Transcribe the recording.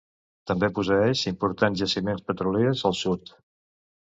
També posseeix importants jaciments petroliers al sud.